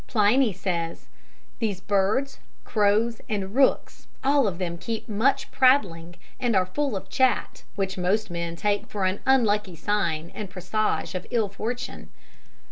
Pliny says, "These birds, crows and rooks, all of them keep much prattling, and are full of chat, which most men take for an unlucky sign and presage of ill fortune."